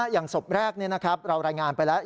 อย่างศพแรกนี่นะครับเรารายงานไปแล้ว